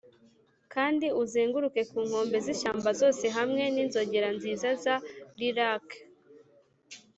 kandi uzenguruke ku nkombe z'ishyamba zose hamwe n'inzogera nziza za lilac.